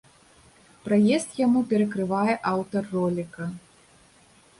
Праезд яму перакрывае аўтар роліка.